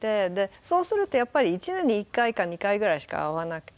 そうするとやっぱり１年に１回か２回ぐらいしか会わなくて。